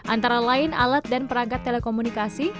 antara lain alat dan perangkat telekomunikasi